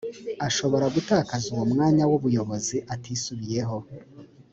ashobora gutakaza uwo mwanya w’ ubuyobozi atisubiyeho